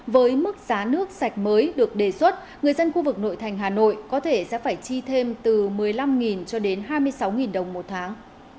với mức giá nước sạch mới được đề xuất người dân khu vực nội thành hà nội có thể sẽ phải chi thêm từ một mươi năm cho đến hai mươi sáu đồng một tháng